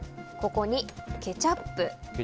ここにケチャップ。